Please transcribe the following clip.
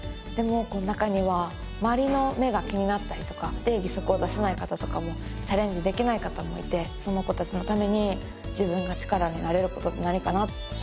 でも中には周りの目が気になったりとかで義足を出せない方とかもチャレンジできない方もいてその子たちのために自分が力になれる事って何かな。